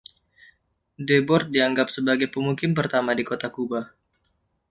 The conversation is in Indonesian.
Deboard dianggap sebagai pemukim pertama di Kota Kuba.